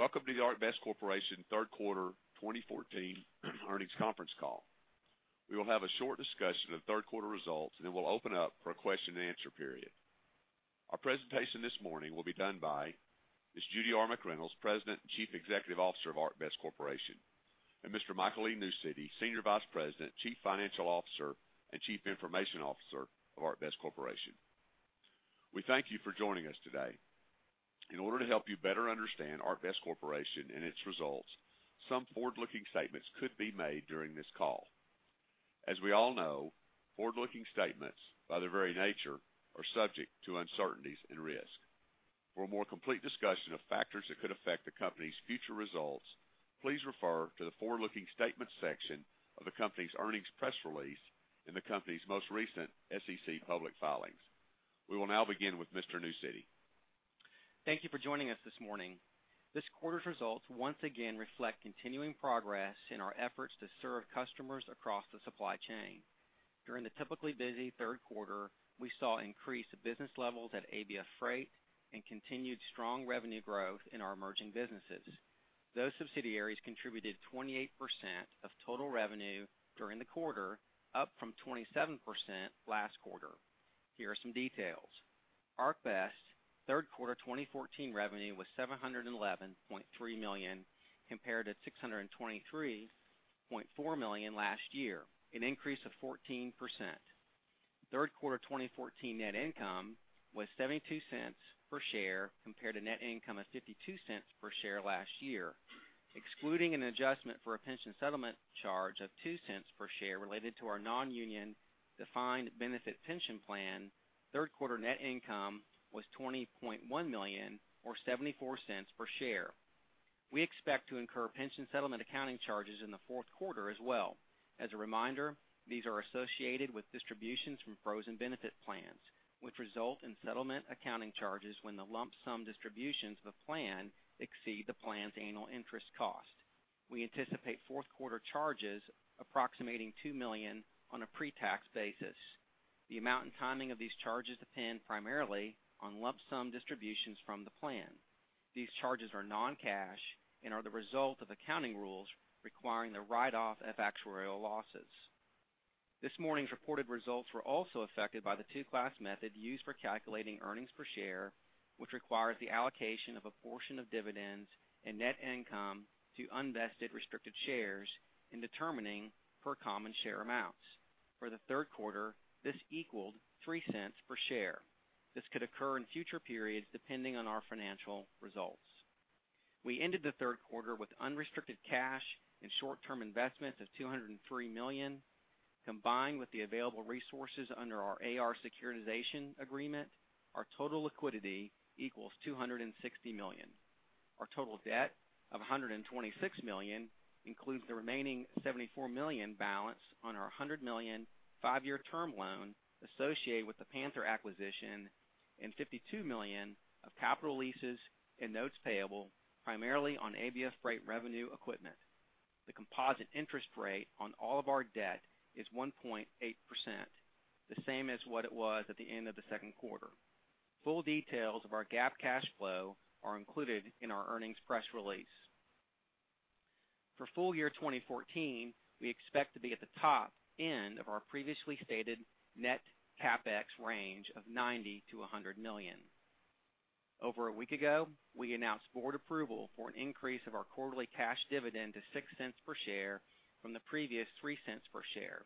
Welcome to the ArcBest Corporation third quarter 2014 earnings conference call. We will have a short discussion of third quarter results, and then we'll open up for a question-and-answer period. Our presentation this morning will be done by Ms. Judy R. McReynolds, President and Chief Executive Officer of ArcBest Corporation, and Mr. Michael Newcity, Senior Vice President, Chief Financial Officer, and Chief Information Officer of ArcBest Corporation. We thank you for joining us today. In order to help you better understand ArcBest Corporation and its results, some forward-looking statements could be made during this call. As we all know, forward-looking statements, by their very nature, are subject to uncertainties and risk. For a more complete discussion of factors that could affect the company's future results, please refer to the forward-looking statements section of the company's earnings press release and the company's most recent SEC public filings. We will now begin with Mr. Newcity. Thank you for joining us this morning. This quarter's results once again reflect continuing progress in our efforts to serve customers across the supply chain. During the typically busy third quarter, we saw an increase in business levels at ABF Freight and continued strong revenue growth in our emerging businesses. Those subsidiaries contributed 28% of total revenue during the quarter, up from 27% last quarter. Here are some details. ArcBest's third quarter 2014 revenue was $711.3 million compared to $623.4 million last year, an increase of 14%. Third quarter 2014 net income was $0.72 per share compared to net income of $0.52 per share last year. Excluding an adjustment for a pension settlement charge of $0.02 per share related to our non-union defined benefit pension plan, third quarter net income was $20.1 million or $0.74 per share. We expect to incur pension settlement accounting charges in the fourth quarter as well. As a reminder, these are associated with distributions from frozen benefit plans, which result in settlement accounting charges when the lump sum distributions of a plan exceed the plan's annual interest cost. We anticipate fourth quarter charges approximating $2 million on a pre-tax basis. The amount and timing of these charges depend primarily on lump sum distributions from the plan. These charges are non-cash and are the result of accounting rules requiring the write-off of actuarial losses. This morning's reported results were also affected by the two-class method used for calculating earnings per share, which requires the allocation of a portion of dividends and net income to unvested restricted shares in determining per-common share amounts. For the third quarter, this equaled $0.03 per share. This could occur in future periods depending on our financial results. We ended the third quarter with unrestricted cash and short-term investments of $203 million. Combined with the available resources under our AR securitization agreement, our total liquidity equals $260 million. Our total debt of $126 million includes the remaining $74 million balance on our $100 million five-year term loan associated with the Panther acquisition and $52 million of capital leases and notes payable primarily on ABF Freight revenue equipment. The composite interest rate on all of our debt is 1.8%, the same as what it was at the end of the second quarter. Full details of our GAAP cash flow are included in our earnings press release. For full year 2014, we expect to be at the top end of our previously stated net CapEx range of $90 million-$100 million. Over a week ago, we announced board approval for an increase of our quarterly cash dividend to $0.06 per share from the previous $0.03 per share,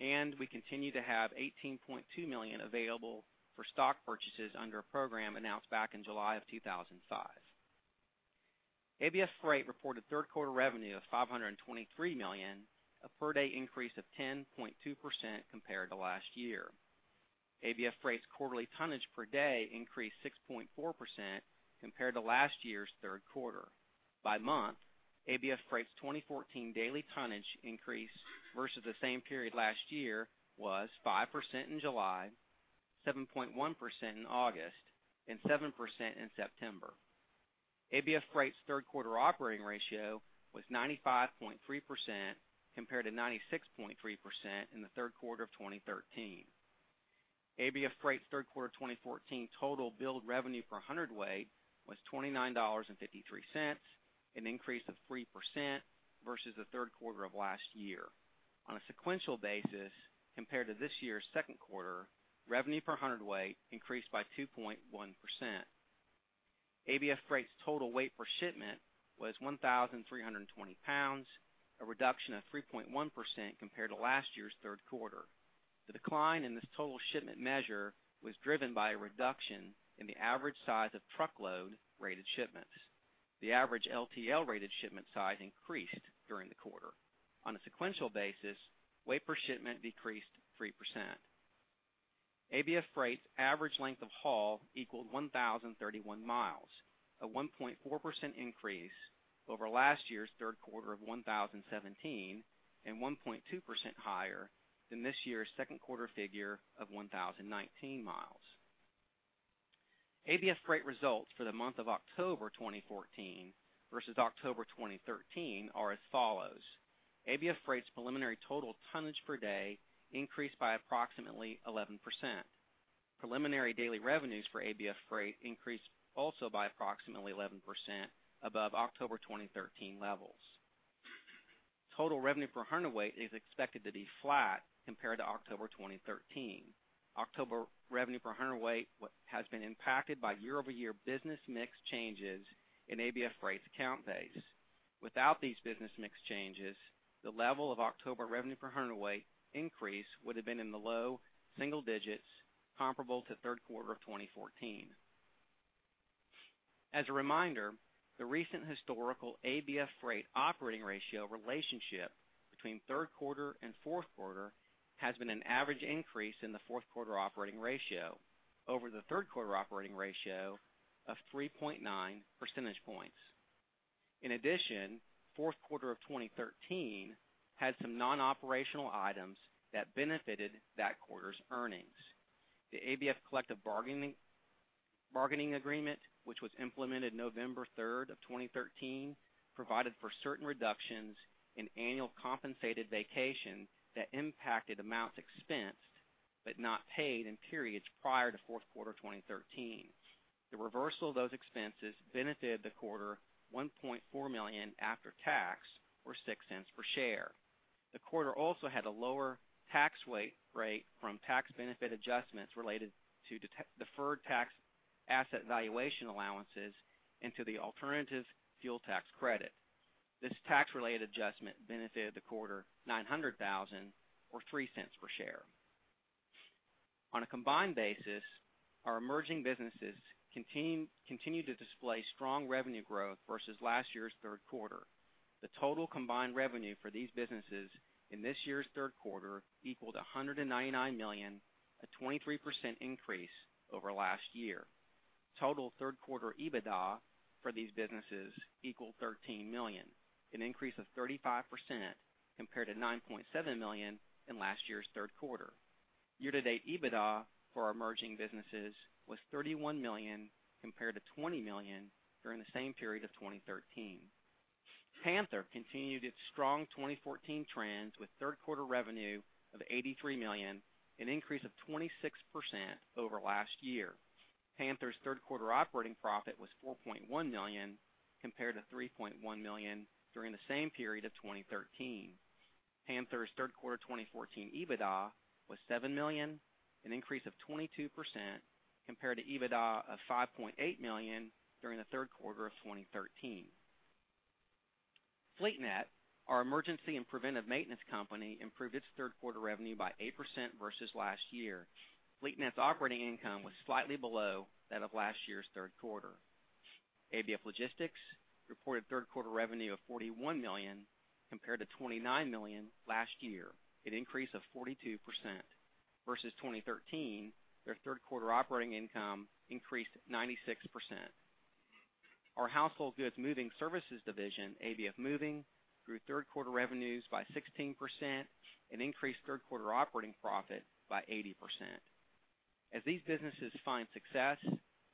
and we continue to have 18.2 million available for stock purchases under a program announced back in July of 2005. ABF Freight reported third quarter revenue of $523 million, a per-day increase of 10.2% compared to last year. ABF Freight's quarterly tonnage per day increased 6.4% compared to last year's third quarter. By month, ABF Freight's 2014 daily tonnage increase versus the same period last year was 5% in July, 7.1% in August, and 7% in September. ABF Freight's third quarter operating ratio was 95.3% compared to 96.3% in the third quarter of 2013. ABF Freight's third quarter 2014 total billed revenue per hundredweight was $29.53, an increase of 3% versus the third quarter of last year. On a sequential basis compared to this year's second quarter, revenue per hundredweight increased by 2.1%. ABF Freight's total weight per shipment was 1,320 pounds, a reduction of 3.1% compared to last year's third quarter. The decline in this total shipment measure was driven by a reduction in the average size of truckload-rated shipments. The average LTL-rated shipment size increased during the quarter. On a sequential basis, weight per shipment decreased 3%. ABF Freight's average length of haul equaled 1,031 miles, a 1.4% increase over last year's third quarter of 1,017 and 1.2% higher than this year's second quarter figure of 1,019 miles. ABF Freight results for the month of October 2014 versus October 2013 are as follows: ABF Freight's preliminary total tonnage per day increased by approximately 11%. Preliminary daily revenues for ABF Freight increased also by approximately 11% above October 2013 levels. Total revenue per hundredweight is expected to be flat compared to October 2013. October revenue per hundredweight has been impacted by year-over-year business mix changes in ABF Freight's account base. Without these business mix changes, the level of October revenue per hundredweight increase would have been in the low single digits comparable to third quarter of 2014. As a reminder, the recent historical ABF Freight operating ratio relationship between third quarter and fourth quarter has been an average increase in the fourth quarter operating ratio over the third quarter operating ratio of 3.9 percentage points. In addition, fourth quarter of 2013 had some non-operational items that benefited that quarter's earnings. The ABF collective bargaining agreement, which was implemented November 3, 2013, provided for certain reductions in annual compensated vacation that impacted amounts expensed but not paid in periods prior to fourth quarter 2013. The reversal of those expenses benefited the quarter $1.4 million after tax or $0.06 per share. The quarter also had a lower tax rate from tax benefit adjustments related to deferred tax asset valuation allowances and to the alternative fuel tax credit. This tax-related adjustment benefited the quarter $900,000 or $0.03 per share. On a combined basis, our emerging businesses continue to display strong revenue growth versus last year's third quarter. The total combined revenue for these businesses in this year's third quarter equaled $199 million, a 23% increase over last year. Total third quarter EBITDA for these businesses equaled $13 million, an increase of 35% compared to $9.7 million in last year's third quarter. Year-to-date EBITDA for our emerging businesses was $31 million compared to $20 million during the same period of 2013. Panther continued its strong 2014 trends with third quarter revenue of $83 million, an increase of 26% over last year. Panther's third quarter operating profit was $4.1 million compared to $3.1 million during the same period of 2013. Panther's third quarter 2014 EBITDA was $7 million, an increase of 22% compared to EBITDA of $5.8 million during the third quarter of 2013. FleetNet, our emergency and preventive maintenance company, improved its third quarter revenue by 8% versus last year. FleetNet's operating income was slightly below that of last year's third quarter. ABF Logistics reported third quarter revenue of $41 million compared to $29 million last year, an increase of 42%. Versus 2013, their third quarter operating income increased 96%. Our household goods moving services division, ABF Moving, grew third quarter revenues by 16% and increased third quarter operating profit by 80%. As these businesses find success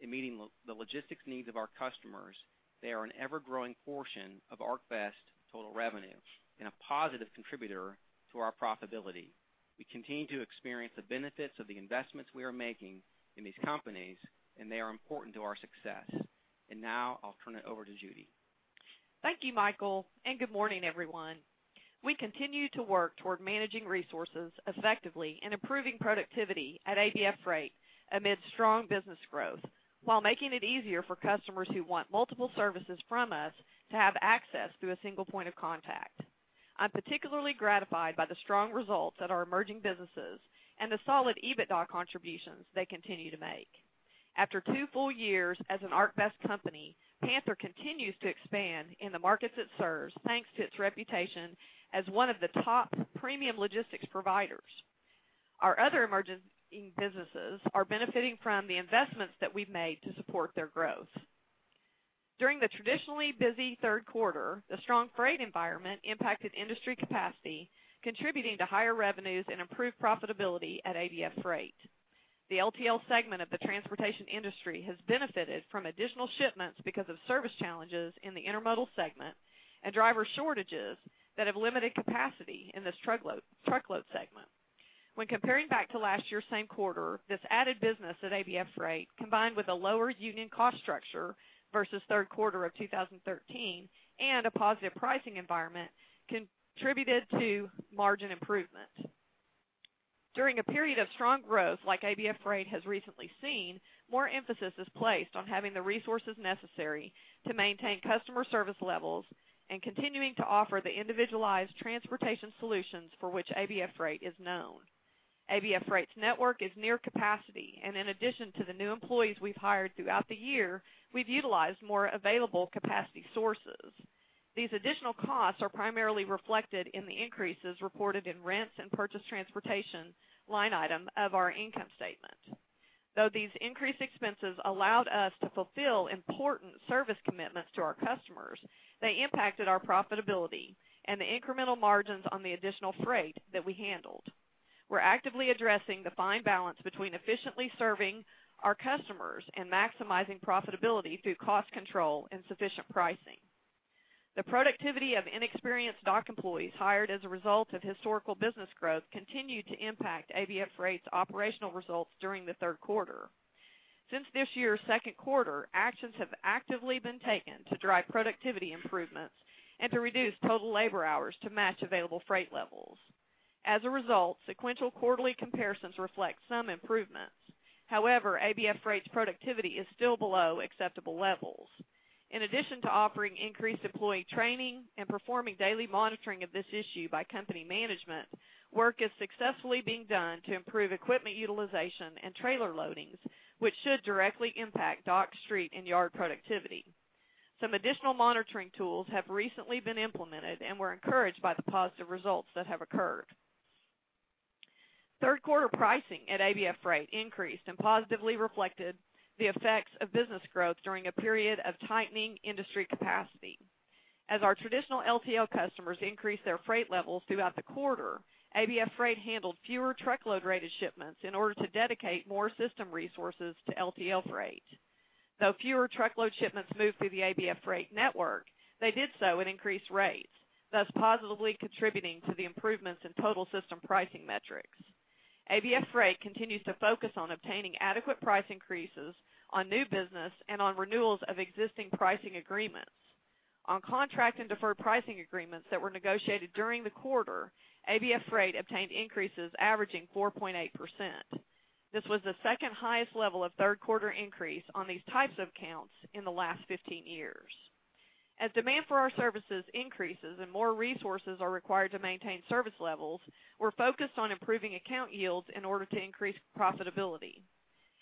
in meeting the logistics needs of our customers, they are an ever-growing portion of ArcBest total revenue and a positive contributor to our profitability. We continue to experience the benefits of the investments we are making in these companies, and they are important to our success. Now I'll turn it over to Judy. Thank you, Michael, and good morning, everyone. We continue to work toward managing resources effectively and improving productivity at ABF Freight amid strong business growth while making it easier for customers who want multiple services from us to have access through a single point of contact. I'm particularly gratified by the strong results at our emerging businesses and the solid EBITDA contributions they continue to make. After two full years as an ArcBest company, Panther continues to expand in the markets it serves thanks to its reputation as one of the top premium logistics providers. Our other emerging businesses are benefiting from the investments that we've made to support their growth. During the traditionally busy third quarter, the strong freight environment impacted industry capacity, contributing to higher revenues and improved profitability at ABF Freight. The LTL segment of the transportation industry has benefited from additional shipments because of service challenges in the intermodal segment and driver shortages that have limited capacity in this truckload segment. When comparing back to last year's same quarter, this added business at ABF Freight, combined with a lower union cost structure versus third quarter of 2013 and a positive pricing environment, contributed to margin improvement. During a period of strong growth like ABF Freight has recently seen, more emphasis is placed on having the resources necessary to maintain customer service levels and continuing to offer the individualized transportation solutions for which ABF Freight is known. ABF Freight's network is near capacity, and in addition to the new employees we've hired throughout the year, we've utilized more available capacity sources. These additional costs are primarily reflected in the increases reported in rents and purchased transportation line item of our income statement. Though these increased expenses allowed us to fulfill important service commitments to our customers, they impacted our profitability and the incremental margins on the additional freight that we handled. We're actively addressing the fine balance between efficiently serving our customers and maximizing profitability through cost control and sufficient pricing. The productivity of inexperienced dock employees hired as a result of historical business growth continued to impact ABF Freight's operational results during the third quarter. Since this year's second quarter, actions have actively been taken to drive productivity improvements and to reduce total labor hours to match available freight levels. As a result, sequential quarterly comparisons reflect some improvements. However, ABF Freight's productivity is still below acceptable levels. In addition to offering increased employee training and performing daily monitoring of this issue by company management, work is successfully being done to improve equipment utilization and trailer loadings, which should directly impact dock, street, and yard productivity. Some additional monitoring tools have recently been implemented and were encouraged by the positive results that have occurred. Third quarter pricing at ABF Freight increased and positively reflected the effects of business growth during a period of tightening industry capacity. As our traditional LTL customers increased their freight levels throughout the quarter, ABF Freight handled fewer truckload-rated shipments in order to dedicate more system resources to LTL Freight. Though fewer truckload shipments moved through the ABF Freight network, they did so at increased rates, thus positively contributing to the improvements in total system pricing metrics. ABF Freight continues to focus on obtaining adequate price increases on new business and on renewals of existing pricing agreements. On contract and deferred pricing agreements that were negotiated during the quarter, ABF Freight obtained increases averaging 4.8%. This was the second highest level of third quarter increase on these types of accounts in the last 15 years. As demand for our services increases and more resources are required to maintain service levels, we're focused on improving account yields in order to increase profitability.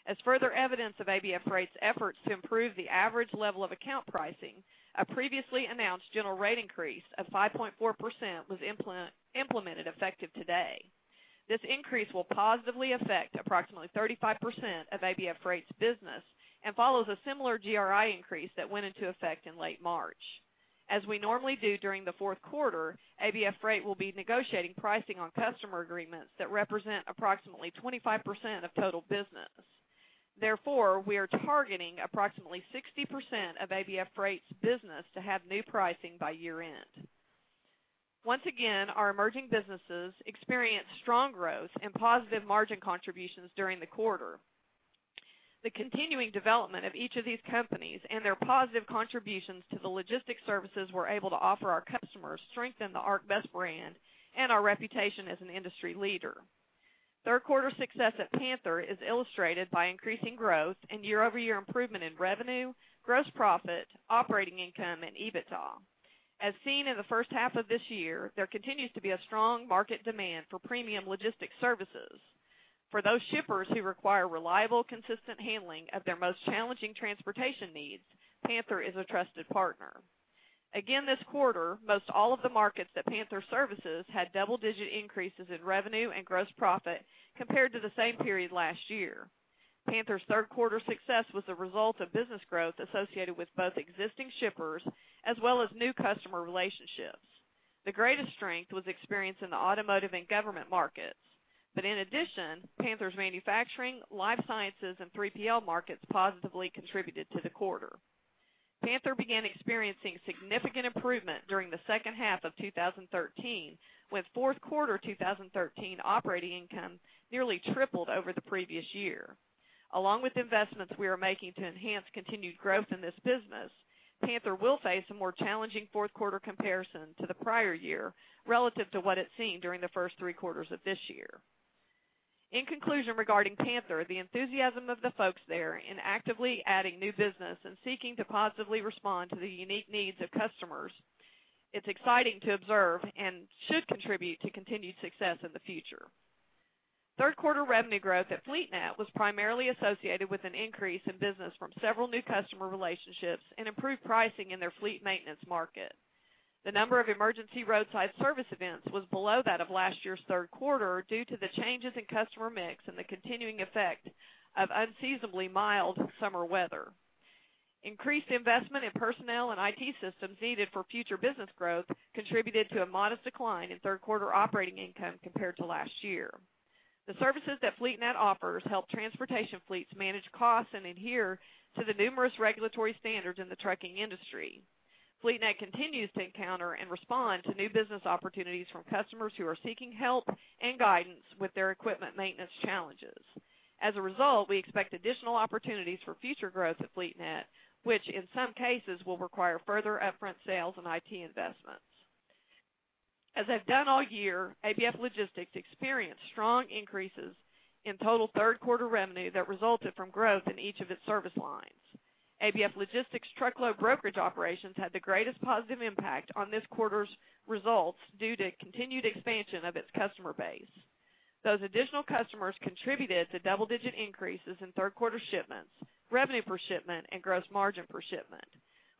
As further evidence of ABF Freight's efforts to improve the average level of account pricing, a previously announced general rate increase of 5.4% was implemented effective today. This increase will positively affect approximately 35% of ABF Freight's business and follows a similar GRI increase that went into effect in late March. As we normally do during the fourth quarter, ABF Freight will be negotiating pricing on customer agreements that represent approximately 25% of total business. Therefore, we are targeting approximately 60% of ABF Freight's business to have new pricing by year-end. Once again, our emerging businesses experienced strong growth and positive margin contributions during the quarter. The continuing development of each of these companies and their positive contributions to the logistics services we're able to offer our customers strengthen the ArcBest brand and our reputation as an industry leader. Third quarter success at Panther is illustrated by increasing growth and year-over-year improvement in revenue, gross profit, operating income, and EBITDA. As seen in the first half of this year, there continues to be a strong market demand for premium logistics services. For those shippers who require reliable, consistent handling of their most challenging transportation needs, Panther is a trusted partner. Again this quarter, most all of the markets that Panther services had double-digit increases in revenue and gross profit compared to the same period last year. Panther's third quarter success was the result of business growth associated with both existing shippers as well as new customer relationships. The greatest strength was experienced in the automotive and government markets, but in addition, Panther's manufacturing, life sciences, and 3PL markets positively contributed to the quarter. Panther began experiencing significant improvement during the second half of 2013, with fourth quarter 2013 operating income nearly tripled over the previous year. Along with investments we are making to enhance continued growth in this business, Panther will face a more challenging fourth quarter comparison to the prior year relative to what it's seen during the first three quarters of this year. In conclusion, regarding Panther, the enthusiasm of the folks there in actively adding new business and seeking to positively respond to the unique needs of customers, it's exciting to observe and should contribute to continued success in the future. Third quarter revenue growth at FleetNet was primarily associated with an increase in business from several new customer relationships and improved pricing in their fleet maintenance market. The number of emergency roadside service events was below that of last year's third quarter due to the changes in customer mix and the continuing effect of unseasonably mild summer weather. Increased investment in personnel and IT systems needed for future business growth contributed to a modest decline in third quarter operating income compared to last year. The services that FleetNet offers help transportation fleets manage costs and adhere to the numerous regulatory standards in the trucking industry. FleetNet continues to encounter and respond to new business opportunities from customers who are seeking help and guidance with their equipment maintenance challenges. As a result, we expect additional opportunities for future growth at FleetNet, which in some cases will require further upfront sales and IT investments. As I've done all year, ABF Logistics experienced strong increases in total third quarter revenue that resulted from growth in each of its service lines. ABF Logistics truckload brokerage operations had the greatest positive impact on this quarter's results due to continued expansion of its customer base. Those additional customers contributed to double-digit increases in third quarter shipments, revenue per shipment, and gross margin per shipment.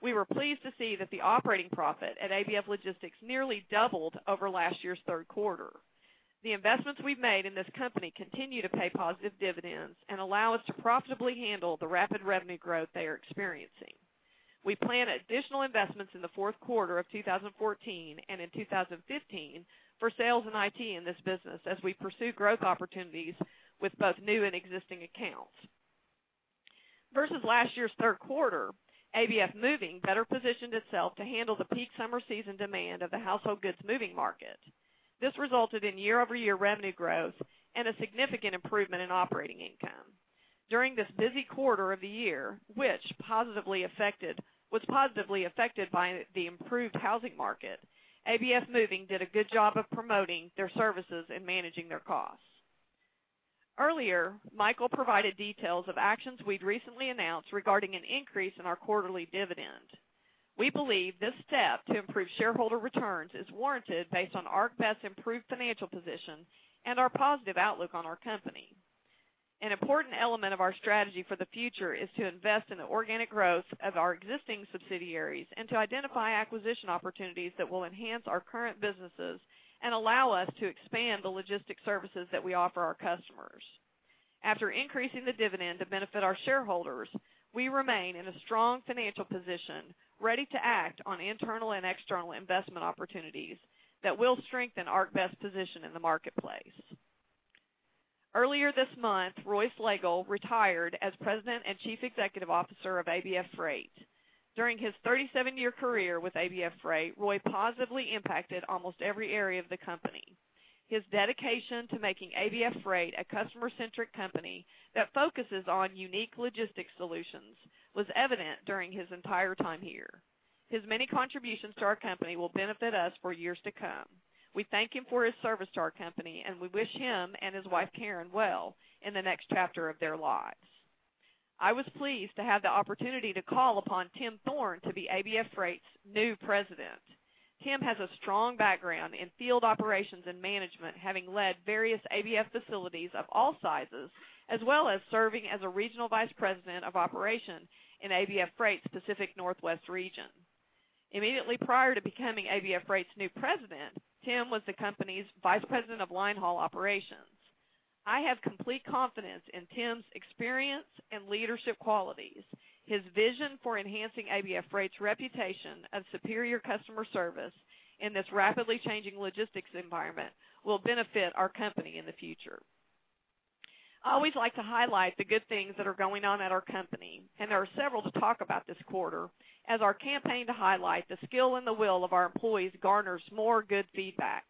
We were pleased to see that the operating profit at ABF Logistics nearly doubled over last year's third quarter. The investments we've made in this company continue to pay positive dividends and allow us to profitably handle the rapid revenue growth they are experiencing. We plan additional investments in the fourth quarter of 2014 and in 2015 for sales and IT in this business as we pursue growth opportunities with both new and existing accounts. Versus last year's third quarter, ABF Moving better positioned itself to handle the peak summer season demand of the household goods moving market. This resulted in year-over-year revenue growth and a significant improvement in operating income. During this busy quarter of the year, which was positively affected by the improved housing market, ABF Moving did a good job of promoting their services and managing their costs. Earlier, Michael provided details of actions we'd recently announced regarding an increase in our quarterly dividend. We believe this step to improve shareholder returns is warranted based on ArcBest's improved financial position and our positive outlook on our company. An important element of our strategy for the future is to invest in the organic growth of our existing subsidiaries and to identify acquisition opportunities that will enhance our current businesses and allow us to expand the logistics services that we offer our customers. After increasing the dividend to benefit our shareholders, we remain in a strong financial position ready to act on internal and external investment opportunities that will strengthen ArcBest's position in the marketplace. Earlier this month, Roy Slagle retired as President and Chief Executive Officer of ABF Freight. During his 37-year career with ABF Freight, Roy positively impacted almost every area of the company. His dedication to making ABF Freight a customer-centric company that focuses on unique logistics solutions was evident during his entire time here. His many contributions to our company will benefit us for years to come. We thank him for his service to our company, and we wish him and his wife, Karen, well in the next chapter of their lives. I was pleased to have the opportunity to call upon Tim Thorne to be ABF Freight's new president. Tim has a strong background in field operations and management, having led various ABF facilities of all sizes, as well as serving as a Regional Vice President of Operations in ABF Freight's Pacific Northwest region. Immediately prior to becoming ABF Freight's new president, Tim was the company's Vice President of Linehaul Operations. I have complete confidence in Tim's experience and leadership qualities. His vision for enhancing ABF Freight's reputation of superior customer service in this rapidly changing logistics environment will benefit our company in the future. I always like to highlight the good things that are going on at our company, and there are several to talk about this quarter as our campaign to highlight the Skill and the Will of our employees garners more good feedback.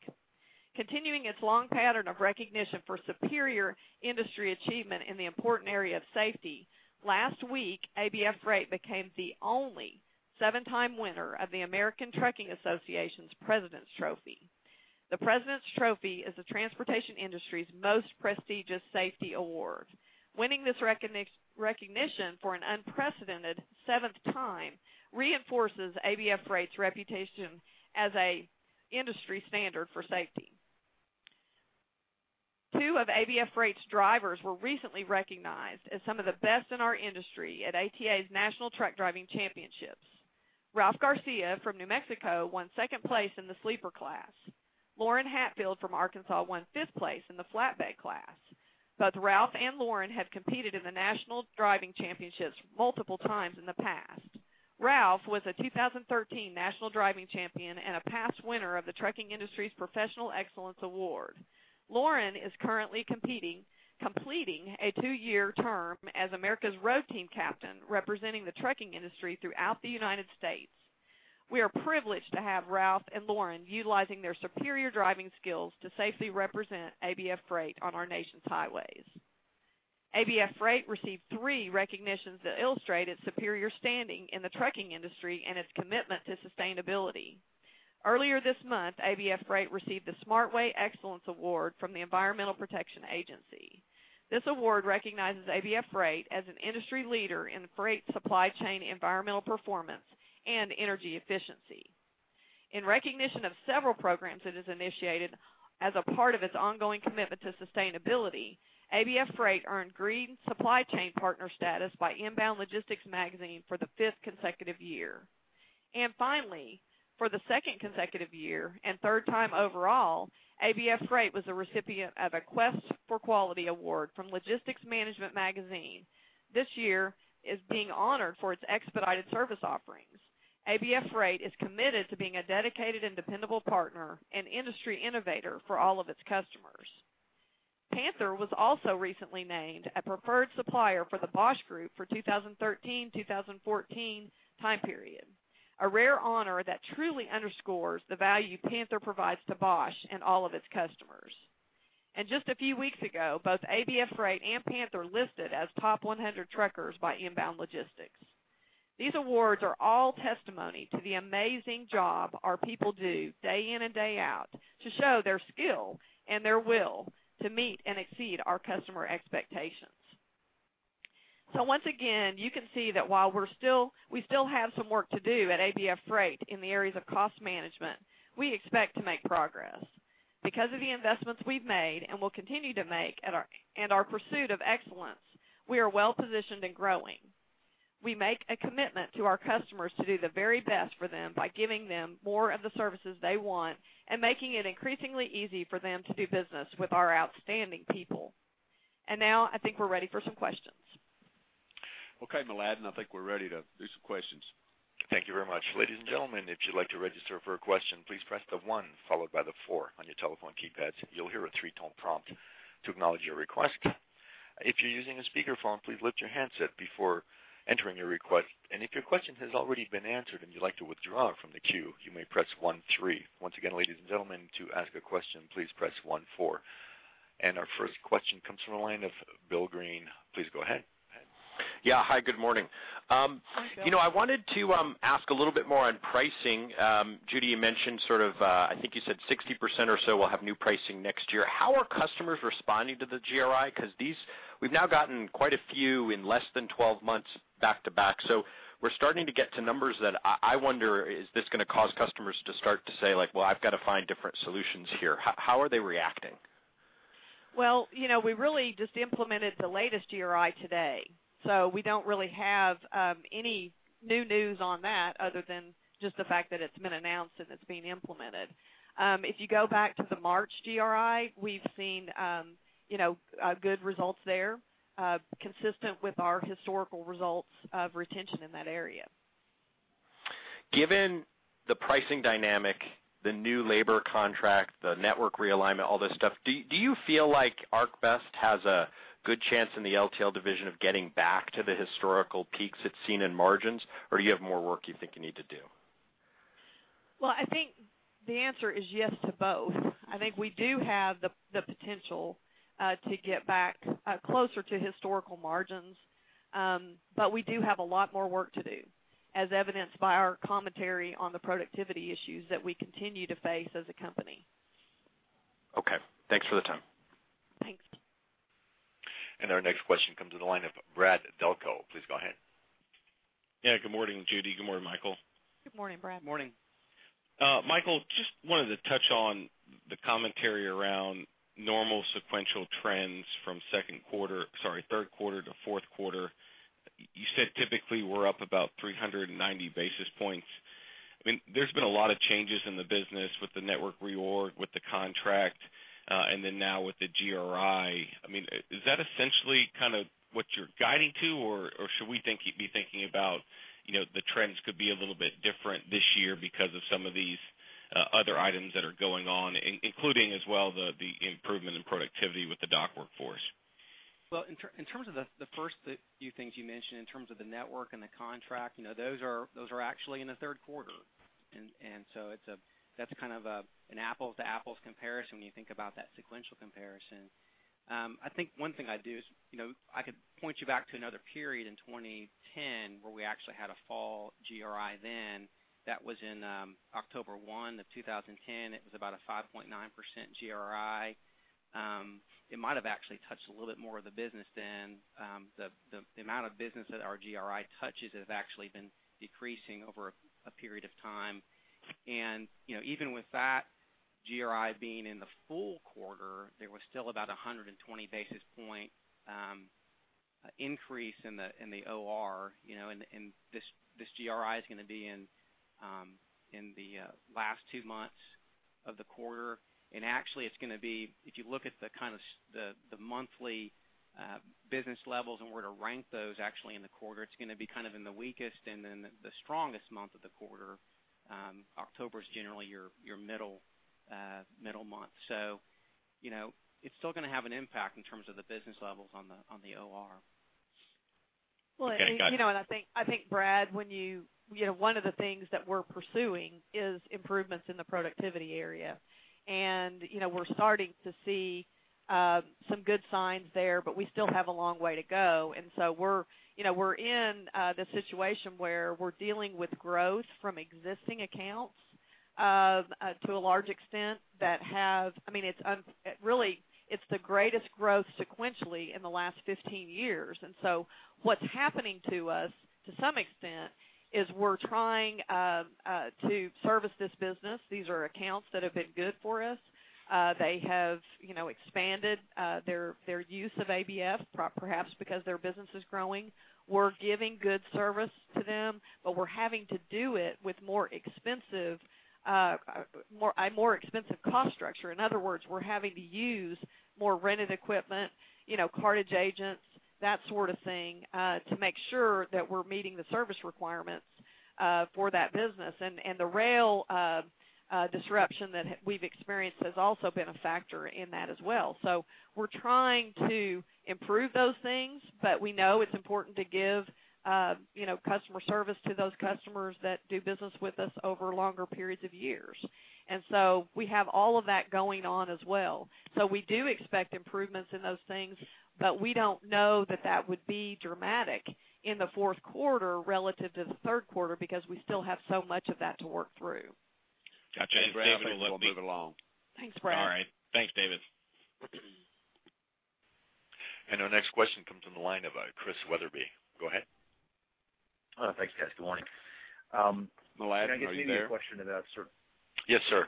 Continuing its long pattern of recognition for superior industry achievement in the important area of safety, last week ABF Freight became the only seven-time winner of the American Trucking Associations' President's Trophy. The President's Trophy is the transportation industry's most prestigious safety award. Winning this recognition for an unprecedented seventh time reinforces ABF Freight's reputation as an industry standard for safety. Two of ABF Freight's drivers were recently recognized as some of the best in our industry at ATA's National Truck Driving Championships. Ralph Garcia from New Mexico won second place in the sleeper class. Loren Hatfield from Arkansas won fifth place in the flatbed class. Both Ralph and Loren have competed in the National Driving Championships multiple times in the past. Ralph was a 2013 National Driving Champion and a past winner of the Trucking Industry's Professional Excellence Award. Loren is currently completing a two-year term as America's Road Team Captain, representing the trucking industry throughout the United States. We are privileged to have Ralph and Loren utilizing their superior driving skills to safely represent ABF Freight on our nation's highways. ABF Freight received three recognitions that illustrate its superior standing in the trucking industry and its commitment to sustainability. Earlier this month, ABF Freight received the SmartWay Excellence Award from the Environmental Protection Agency. This award recognizes ABF Freight as an industry leader in freight supply chain environmental performance and energy efficiency. In recognition of several programs it has initiated as a part of its ongoing commitment to sustainability, ABF Freight earned Green Supply Chain Partner status by Inbound Logistics magazine for the fifth consecutive year. And finally, for the second consecutive year and third time overall, ABF Freight was the recipient of a Quest for Quality Award from Logistics Management magazine. This year, it is being honored for its expedited service offerings. ABF Freight is committed to being a dedicated and dependable partner and industry innovator for all of its customers. Panther was also recently named a preferred supplier for the Bosch Group for 2013-2014 time period, a rare honor that truly underscores the value Panther provides to Bosch and all of its customers. Just a few weeks ago, both ABF Freight and Panther listed as Top 100 Truckers by Inbound Logistics. These awards are all testimony to the amazing job our people do day in and day out to show their skill and their will to meet and exceed our customer expectations. So once again, you can see that while we still have some work to do at ABF Freight in the areas of cost management, we expect to make progress. Because of the investments we've made and will continue to make and our pursuit of excellence, we are well positioned and growing. We make a commitment to our customers to do the very best for them by giving them more of the services they want and making it increasingly easy for them to do business with our outstanding people. Now I think we're ready for some questions. Okay, Mladen, I think we're ready to do some questions. Thank you very much. Ladies and gentlemen, if you'd like to register for a question, please press 1 followed by 4 on your telephone keypads. You'll hear a three-tone prompt to acknowledge your request. If you're using a speakerphone, please lift your handset before entering your request. And if your question has already been answered and you'd like to withdraw from the queue, you may press 13. Once again, ladies and gentlemen, to ask a question, please press 14. Our first question comes from a line of Bill Greene. Please go ahead. Yeah, hi, good morning. I wanted to ask a little bit more on pricing. Judy, you mentioned sort of I think you said 60% or so will have new pricing next year. How are customers responding to the GRI? Because we've now gotten quite a few in less than 12 months back to back, so we're starting to get to numbers that I wonder, is this going to cause customers to start to say like, "Well, I've got to find different solutions here." How are they reacting? Well, we really just implemented the latest GRI today. So we don't really have any new news on that other than just the fact that it's been announced and it's being implemented. If you go back to the March GRI, we've seen good results there, consistent with our historical results of retention in that area. Given the pricing dynamic, the new labor contract, the network realignment, all this stuff, do you feel like ArcBest has a good chance in the LTL division of getting back to the historical peaks it's seen in margins, or do you have more work you think you need to do? Well, I think the answer is yes to both. I think we do have the potential to get back closer to historical margins, but we do have a lot more work to do, as evidenced by our commentary on the productivity issues that we continue to face as a company. Okay. Thanks for the time. Thanks. Our next question comes in the line of Brad Delco. Please go ahead. Yeah, good morning, Judy. Good morning, Michael. Good morning, Brad. Good morning. Michael, just wanted to touch on the commentary around normal sequential trends from third quarter to fourth quarter. You said typically we're up about 390 basis points. I mean, there's been a lot of changes in the business with the network reorg, with the contract, and then now with the GRI. I mean, is that essentially kind of what you're guiding to, or should we be thinking about the trends could be a little bit different this year because of some of these other items that are going on, including as well the improvement in productivity with the dock workforce? Well, in terms of the first few things you mentioned, in terms of the network and the contract, those are actually in the third quarter. So that's kind of an apples-to-apples comparison when you think about that sequential comparison. I think one thing I'd do is I could point you back to another period in 2010 where we actually had a full GRI then. That was in October 1, 2010. It was about a 5.9% GRI. It might have actually touched a little bit more of the business then. The amount of business that our GRI touches has actually been decreasing over a period of time. And even with that GRI being in the full quarter, there was still about a 120-basis-point increase in the OR. And this GRI is going to be in the last two months of the quarter. Actually, it's going to be if you look at the kind of the monthly business levels and were to rank those actually in the quarter, it's going to be kind of in the weakest and then the strongest month of the quarter. October is generally your middle month. So it's still going to have an impact in terms of the business levels on the OR. Well, and I think, Brad, one of the things that we're pursuing is improvements in the productivity area. And we're starting to see some good signs there, but we still have a long way to go. And so we're in the situation where we're dealing with growth from existing accounts to a large extent that have I mean, really, it's the greatest growth sequentially in the last 15 years. And so what's happening to us, to some extent, is we're trying to service this business. These are accounts that have been good for us. They have expanded their use of ABF, perhaps because their business is growing. We're giving good service to them, but we're having to do it with more expensive cost structure. In other words, we're having to use more rented equipment, cartage agents, that sort of thing to make sure that we're meeting the service requirements for that business. And the rail disruption that we've experienced has also been a factor in that as well. So we're trying to improve those things, but we know it's important to give customer service to those customers that do business with us over longer periods of years. And so we have all of that going on as well. So we do expect improvements in those things, but we don't know that that would be dramatic in the fourth quarter relative to the third quarter because we still have so much of that to work through. Gotcha. Thanks, David. Brad, we'll move along. Thanks, Brad. All right. Thanks, David. Our next question comes in the line of Christian Wetherbee. Go ahead. Thanks, guys. Good morning. Mladen, are you going to ask me any question about sort of? Yes, sir.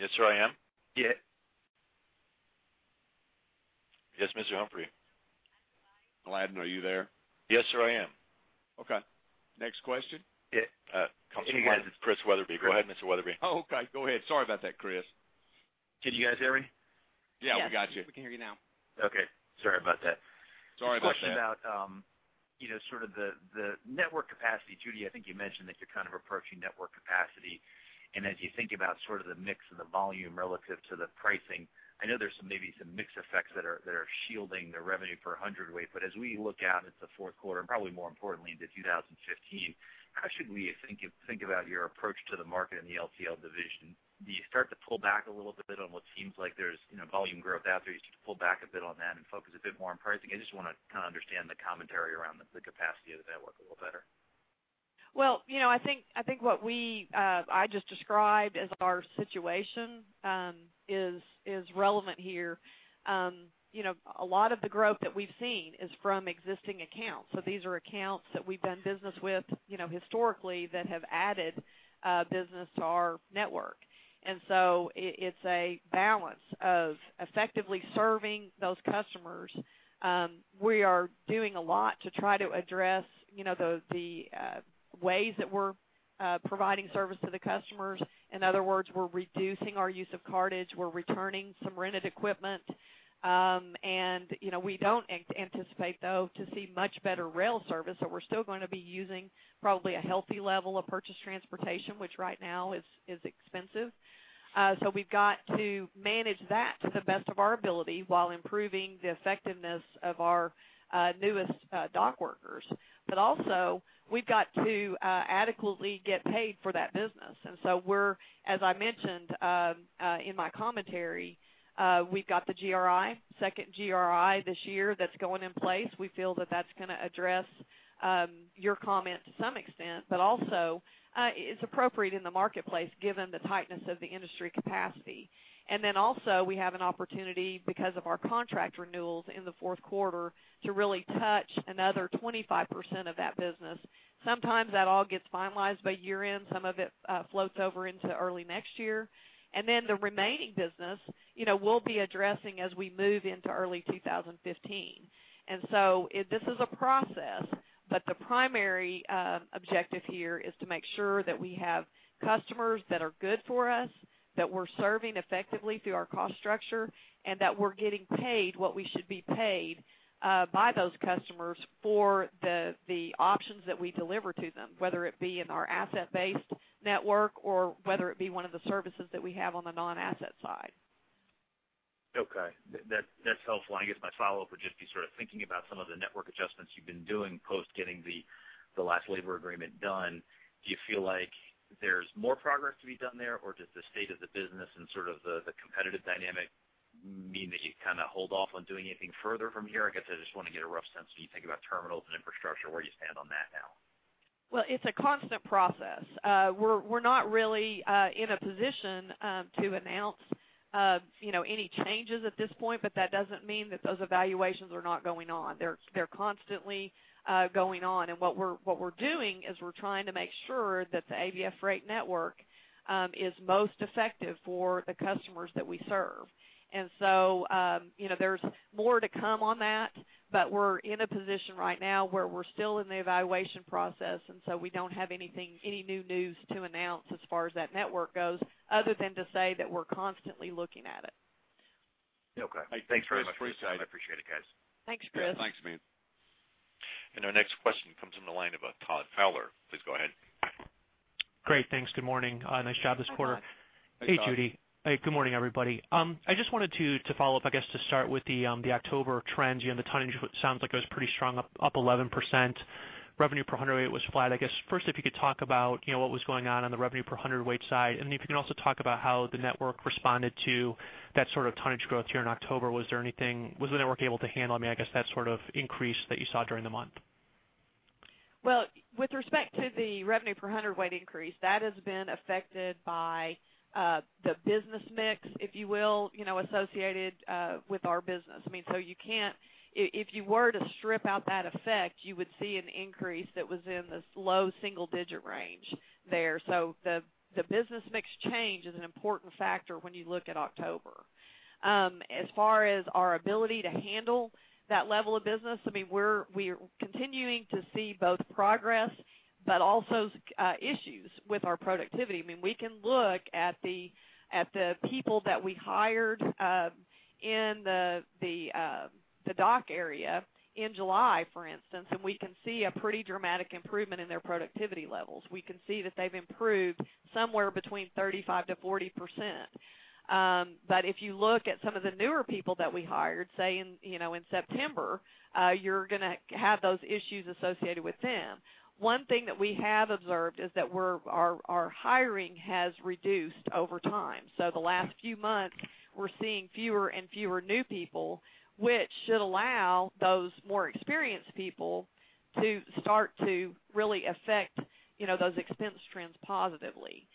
Yes, sir, I am. Yes, Mr. Humphrey. Mladen, are you there? Yes, sir, I am. Okay. Next question comes in with Chris Wetherbee. Go ahead, Mr. Wetherbee. Oh, okay. Go ahead. Sorry about that, Chris. Did you guys hear me? Yeah, we got you. Yeah, we can hear you now. Okay. Sorry about that. Sorry about that. Question about sort of the network capacity. Judy, I think you mentioned that you're kind of approaching network capacity. As you think about sort of the mix and the volume relative to the pricing, I know there's maybe some mixed effects that are shielding the revenue per 100 weight. As we look out into the fourth quarter and probably more importantly into 2015, how should we think about your approach to the market in the LTL division? Do you start to pull back a little bit on what seems like there's volume growth out there? Do you start to pull back a bit on that and focus a bit more on pricing? I just want to kind of understand the commentary around the capacity of the network a little better. Well, I think what I just described as our situation is relevant here. A lot of the growth that we've seen is from existing accounts. So these are accounts that we've done business with historically that have added business to our network. And so it's a balance of effectively serving those customers. We are doing a lot to try to address the ways that we're providing service to the customers. In other words, we're reducing our use of cartage. We're returning some rented equipment. And we don't anticipate, though, to see much better rail service. So we're still going to be using probably a healthy level of purchased transportation, which right now is expensive. So we've got to manage that to the best of our ability while improving the effectiveness of our newest dock workers. But also, we've got to adequately get paid for that business. And so we're, as I mentioned in my commentary, we've got the second GRI this year that's going in place. We feel that that's going to address your comment to some extent, but also it's appropriate in the marketplace given the tightness of the industry capacity. And then also, we have an opportunity because of our contract renewals in the fourth quarter to really touch another 25% of that business. Sometimes that all gets finalized by year-end. Some of it floats over into early next year. And then the remaining business we'll be addressing as we move into early 2015. And so this is a process, but the primary objective here is to make sure that we have customers that are good for us, that we're serving effectively through our cost structure, and that we're getting paid what we should be paid by those customers for the options that we deliver to them, whether it be in our asset-based network or whether it be one of the services that we have on the non-asset side. Okay. That's helpful. I guess my follow-up would just be sort of thinking about some of the network adjustments you've been doing post getting the last labor agreement done. Do you feel like there's more progress to be done there, or does the state of the business and sort of the competitive dynamic mean that you kind of hold off on doing anything further from here? I guess I just want to get a rough sense when you think about terminals and infrastructure. Where do you stand on that now? Well, it's a constant process. We're not really in a position to announce any changes at this point, but that doesn't mean that those evaluations are not going on. They're constantly going on. And what we're doing is we're trying to make sure that the ABF rate network is most effective for the customers that we serve. And so there's more to come on that, but we're in a position right now where we're still in the evaluation process. And so we don't have any new news to announce as far as that network goes other than to say that we're constantly looking at it. Okay. Thanks very much, Chris. I appreciate it, guys. Thanks, Chris. Yeah, thanks, Amy. Our next question comes in the line of Todd Fowler. Please go ahead. Great. Thanks. Good morning. Nice job this quarter. Hey, Judy. Good morning, everybody. I just wanted to follow up, I guess, to start with the October trends. The tonnage sounds like it was pretty strong, up 11%. Revenue per hundredweight was flat. I guess, first, if you could talk about what was going on on the revenue per hundredweight side, and then if you can also talk about how the network responded to that sort of tonnage growth here in October. Was the network able to handle, I mean, that sort of increase that you saw during the month? Well, with respect to the revenue per hundredweight increase, that has been affected by the business mix, if you will, associated with our business. I mean, so if you were to strip out that effect, you would see an increase that was in the low single-digit range there. So the business mix change is an important factor when you look at October. As far as our ability to handle that level of business, I mean, we're continuing to see both progress but also issues with our productivity. I mean, we can look at the people that we hired in the dock area in July, for instance, and we can see a pretty dramatic improvement in their productivity levels. We can see that they've improved somewhere between 35%-40%. If you look at some of the newer people that we hired, say in September, you're going to have those issues associated with them. One thing that we have observed is that our hiring has reduced over time. The last few months, we're seeing fewer and fewer new people, which should allow those more experienced people to start to really affect those expense trends positively.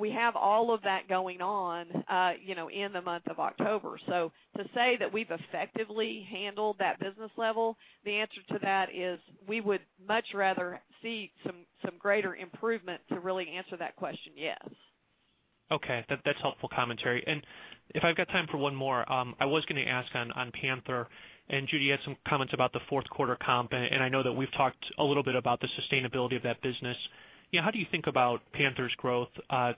We have all of that going on in the month of October. To say that we've effectively handled that business level, the answer to that is we would much rather see some greater improvement. To really answer that question, yes. Okay. That's helpful commentary. And if I've got time for one more, I was going to ask on Panther. And Judy, you had some comments about the fourth quarter comp, and I know that we've talked a little bit about the sustainability of that business. How do you think about Panther's growth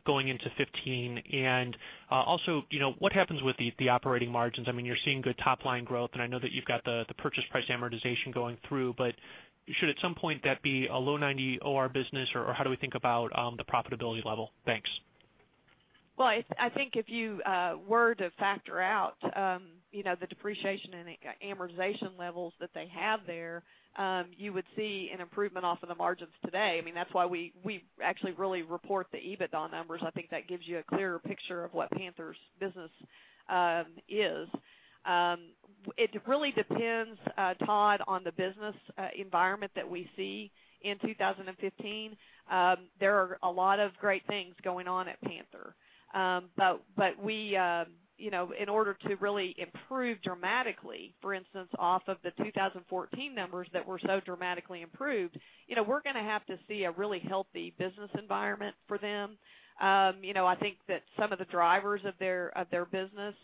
going into 2015? And also, what happens with the operating margins? I mean, you're seeing good top-line growth, and I know that you've got the purchase price amortization going through, but should at some point that be a low 90 OR business, or how do we think about the profitability level? Thanks. Well, I think if you were to factor out the depreciation and amortization levels that they have there, you would see an improvement off of the margins today. I mean, that's why we actually really report the EBITDA numbers. I think that gives you a clearer picture of what Panther's business is. It really depends, Todd, on the business environment that we see in 2015. There are a lot of great things going on at Panther. But in order to really improve dramatically, for instance, off of the 2014 numbers that were so dramatically improved, we're going to have to see a really healthy business environment for them. I think that some of the drivers of their business,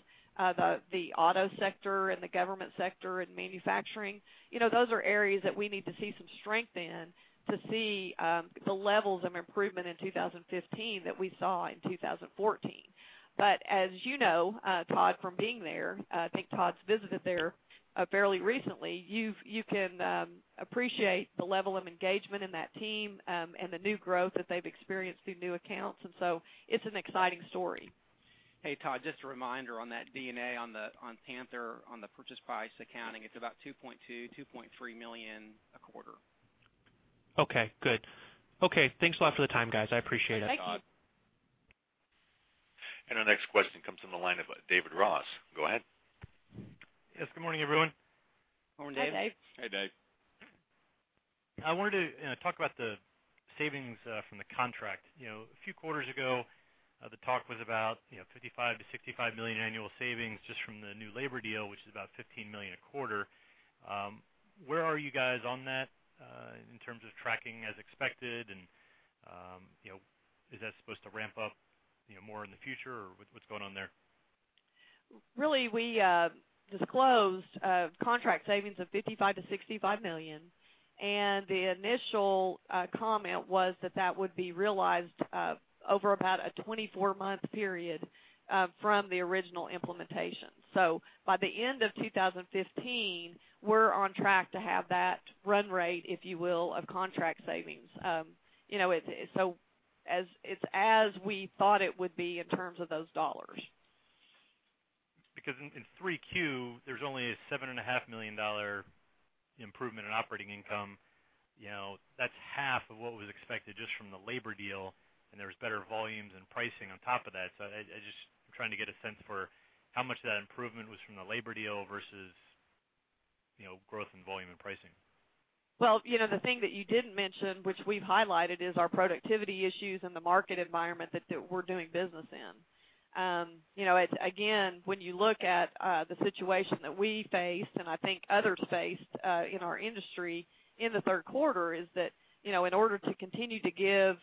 the auto sector and the government sector and manufacturing, those are areas that we need to see some strength in to see the levels of improvement in 2015 that we saw in 2014. But as you know, Todd, from being there, I think Todd's visited there fairly recently, you can appreciate the level of engagement in that team and the new growth that they've experienced through new accounts. And so it's an exciting story. Hey, Todd, just a reminder on that deal on Panther, on the purchase price accounting, it's about $2.2-$2.3 million a quarter. Okay. Good. Okay. Thanks a lot for the time, guys. I appreciate it, Todd. Thank you. Our next question comes in the line of David Ross. Go ahead. Yes. Good morning, everyone. Morning, David. Hi, Dave. Hey, Dave. I wanted to talk about the savings from the contract. A few quarters ago, the talk was about $55-$65 million annual savings just from the new labor deal, which is about $15 million a quarter. Where are you guys on that in terms of tracking as expected? And is that supposed to ramp up more in the future, or what's going on there? Really, we disclosed contract savings of $55 million-$65 million. The initial comment was that that would be realized over about a 24-month period from the original implementation. So by the end of 2015, we're on track to have that run rate, if you will, of contract savings. So it's as we thought it would be in terms of those dollars. Because in 3Q, there's only a $7.5 million improvement in operating income. That's half of what was expected just from the labor deal, and there was better volumes and pricing on top of that. So I'm trying to get a sense for how much of that improvement was from the labor deal versus growth in volume and pricing. Well, the thing that you didn't mention, which we've highlighted, is our productivity issues and the market environment that we're doing business in. Again, when you look at the situation that we faced, and I think others faced in our industry in the third quarter, is that in order to continue to give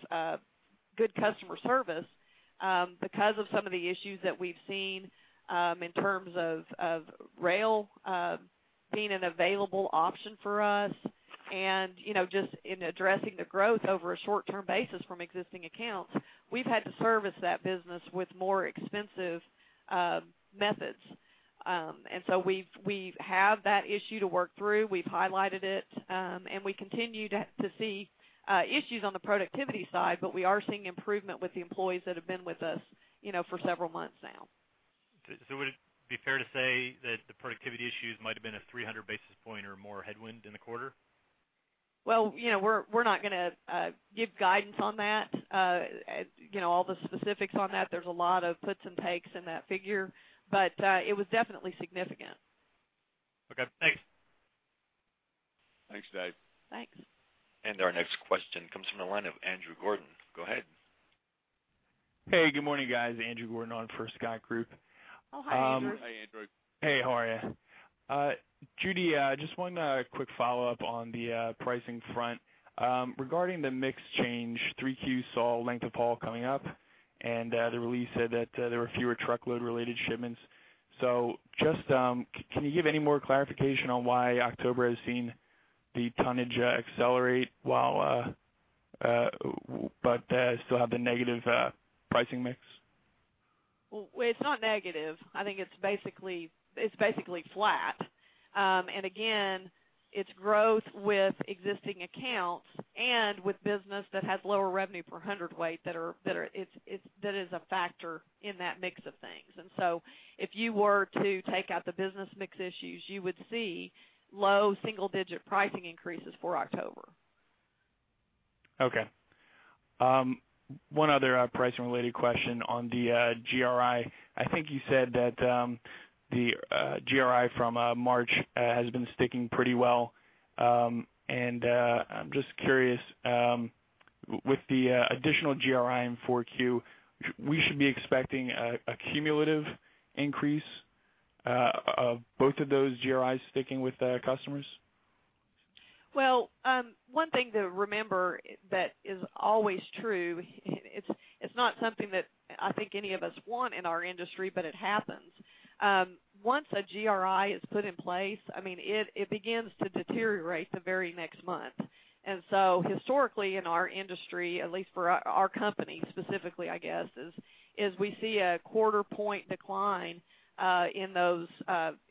good customer service because of some of the issues that we've seen in terms of rail being an available option for us and just in addressing the growth over a short-term basis from existing accounts, we've had to service that business with more expensive methods. And so we have that issue to work through. We've highlighted it, and we continue to see issues on the productivity side, but we are seeing improvement with the employees that have been with us for several months now. Would it be fair to say that the productivity issues might have been a 300 basis point or more headwind in the quarter? Well, we're not going to give guidance on that, all the specifics on that. There's a lot of puts and takes in that figure, but it was definitely significant. Okay. Thanks. Thanks, Dave. Thanks. Our next question comes from the line of Andrew Gordon. Go ahead. Hey. Good morning, guys. Andrew Gordon on for Scott Group. Oh, hi, Andrew. Hi, Andrew. Hey. How are you? Judy, just one quick follow-up on the pricing front. Regarding the mix change, 3Q saw length of haul coming up, and the release said that there were fewer truckload-related shipments. So can you give any more clarification on why October has seen the tonnage accelerate but still have the negative pricing mix? Well, it's not negative. I think it's basically flat. And again, it's growth with existing accounts and with business that has lower revenue per hundredweight that is a factor in that mix of things. And so if you were to take out the business mix issues, you would see low single-digit pricing increases for October. Okay. One other pricing-related question on the GRI. I think you said that the GRI from March has been sticking pretty well. I'm just curious, with the additional GRI in 4Q, we should be expecting a cumulative increase of both of those GRIs sticking with customers? Well, one thing to remember that is always true, it's not something that I think any of us want in our industry, but it happens. Once a GRI is put in place, I mean, it begins to deteriorate the very next month. And so historically, in our industry, at least for our company specifically, I guess, is we see a quarter-point decline in those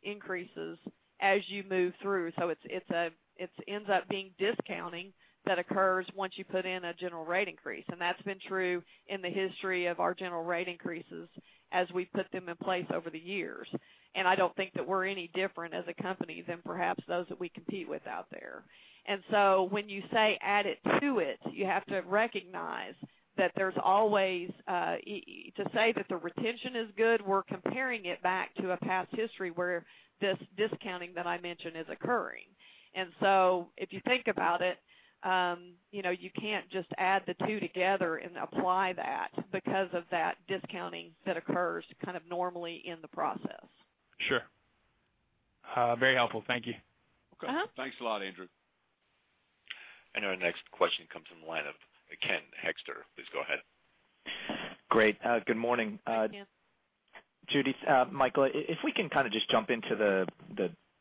increases as you move through. So it ends up being discounting that occurs once you put in a general rate increase. And that's been true in the history of our general rate increases as we've put them in place over the years. And I don't think that we're any different as a company than perhaps those that we compete with out there. When you say add it to it, you have to recognize that there's always to say that the retention is good. We're comparing it back to a past history where this discounting that I mentioned is occurring. If you think about it, you can't just add the two together and apply that because of that discounting that occurs kind of normally in the process. Sure. Very helpful. Thank you. Thanks a lot, Andrew. Our next question comes in the line of Ken Hoexter. Please go ahead. Great. Good morning. Hey, Ken. Judy, Michael, if we can kind of just jump into the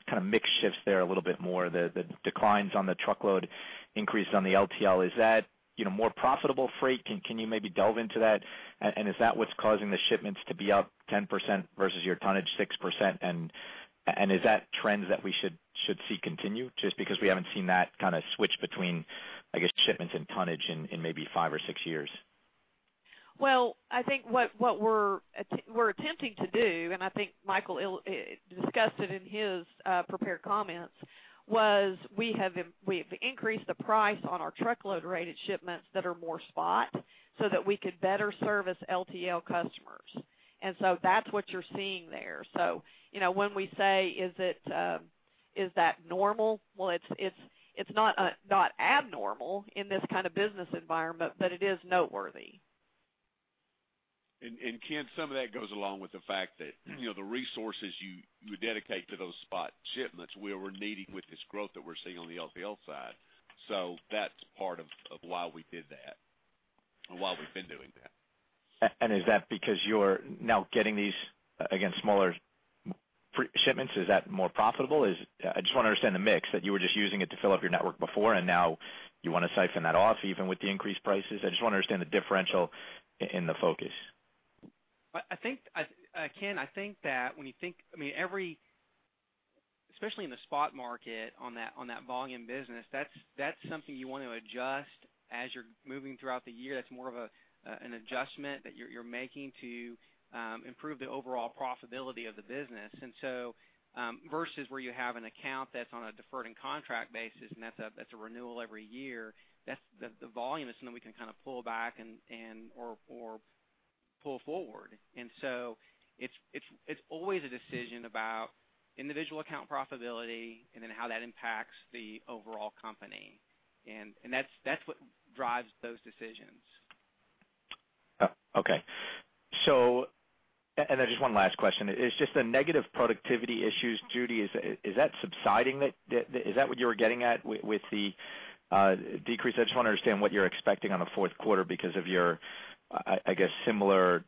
kind of mix shifts there a little bit more, the declines on the truckload, increase on the LTL, is that more profitable freight? Can you maybe delve into that? And is that what's causing the shipments to be up 10% versus your tonnage 6%? And is that trends that we should see continue just because we haven't seen that kind of switch between, I guess, shipments and tonnage in maybe five or six years? Well, I think what we're attempting to do, and I think Michael discussed it in his prepared comments, was we have increased the price on our truckload-rated shipments that are more spot so that we could better service LTL customers. And so that's what you're seeing there. So when we say, "Is that normal?" well, it's not abnormal in this kind of business environment, but it is noteworthy. Ken, some of that goes along with the fact that the resources you would dedicate to those spot shipments were needed with this growth that we're seeing on the LTL side. So that's part of why we did that and why we've been doing that. Is that because you're now getting these, again, smaller shipments? Is that more profitable? I just want to understand the mix that you were just using it to fill up your network before, and now you want to siphon that off even with the increased prices? I just want to understand the differential in the focus. Ken, I think that when you think, I mean, especially in the spot market on that volume business, that's something you want to adjust as you're moving throughout the year. That's more of an adjustment that you're making to improve the overall profitability of the business versus where you have an account that's on a deferred and contract basis, and that's a renewal every year. The volume is something we can kind of pull back or pull forward. And so it's always a decision about individual account profitability and then how that impacts the overall company. And that's what drives those decisions. Okay. And then just one last question. It's just the negative productivity issues, Judy. Is that subsiding? Is that what you were getting at with the decrease? I just want to understand what you're expecting on the fourth quarter because of your, I guess, similar